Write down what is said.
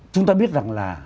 chúng ta biết rằng là